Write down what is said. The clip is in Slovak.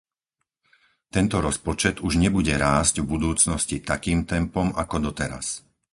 Tento rozpočet už nebude rásť v budúcnosti takým tempom ako doteraz.